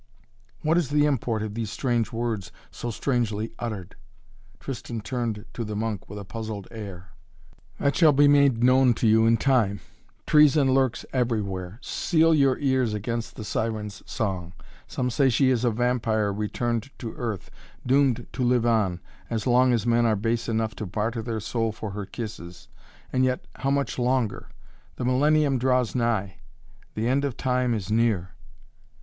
"What is the import of these strange words so strangely uttered?" Tristan turned to the monk with a puzzled air. "That shall be made known to you in time. Treason lurks everywhere. Seal your ears against the Siren's song. Some say she is a vampire returned to earth, doomed to live on, as long as men are base enough to barter their soul for her kisses. And yet how much longer? The Millennium draws nigh. The End of Time is near."